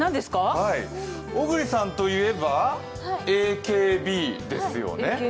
小栗さんといえばＡＫＢですよね。